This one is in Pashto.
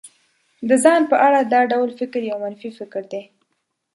د ځان په اړه دا ډول فکر يو منفي فکر دی.